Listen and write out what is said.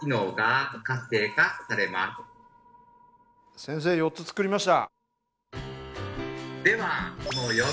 先生４つ作りました。